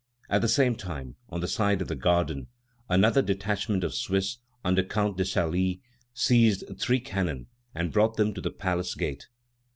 At the same time, on the side of the garden, another detachment of Swiss, under Count de Salis, seized three cannon and brought them to the palace gate.